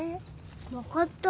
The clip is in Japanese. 分かった。